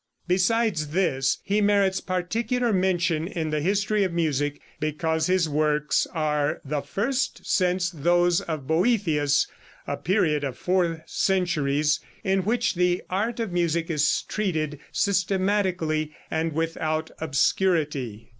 Besides this, he merits particular mention in the history of music because his works are the first since those of Boethius a period of four centuries in which the art of music is treated systematically and without obscurity.